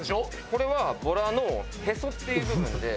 これはボラのへそっていう部分で。